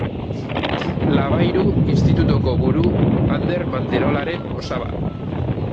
Labayru Institutuko buru Ander Manterolaren osaba.